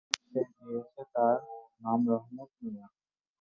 যে দিয়েছে তার নাম রহমত মিয়া।